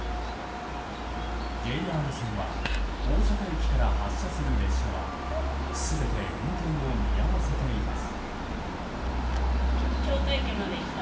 ＪＲ線は大阪駅から発車する列車は全て運転を見合わせています。